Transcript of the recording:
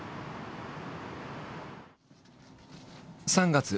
３月。